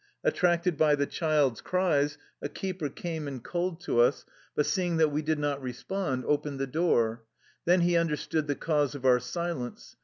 At tracted by the child's cries, a keeper came and called to us, but seeing that we did not respond, opened the door. Then he understood the cause of our silence.